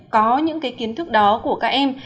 có những cái kiến thức đó của các em